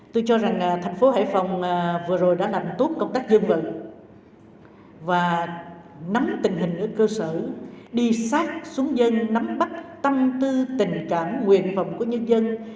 tôi cho rằng thành phố hải phòng vừa rồi đã làm tốt công tác dân vận và nắm tình hình ở cơ sở đi sát xuống dân nắm bắt tâm tư tình cảm nguyện vọng của nhân dân